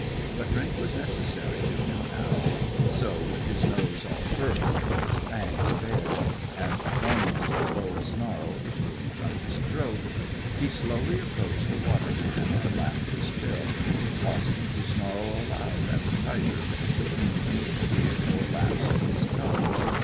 But drink was necessary to him now, and so, with his nose all furrowed, his fangs bared, and a formidable low snarl issuing from his throat, he slowly approached the water pan, and lapped his fill, pausing to snarl aloud at the tiger between each three or four laps of his tongue.